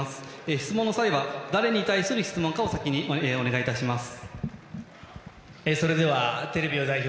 質問の際は誰に対する質問か先にお願いいたします。